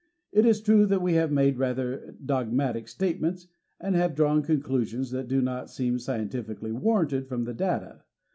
It is true that we have made rather dogmatic statements and have drawn conclusions that do not seem scientifically warranted from the data.